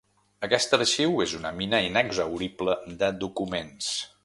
Aquest arxiu és una mina inexhaurible de documents.